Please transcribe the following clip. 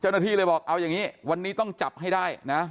เจ้าหน้าที่เลยบอกเอาอย่างนี้วันนี้ต้องจับให้ได้นะ